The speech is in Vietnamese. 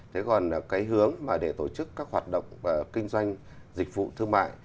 thế còn cái hướng mà để tổ chức các hoạt động kinh doanh dịch vụ thương mại